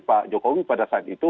pak jokowi pada saat itu